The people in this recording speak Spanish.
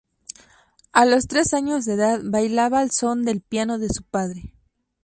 A los tres años de edad bailaba al son del piano de su padre.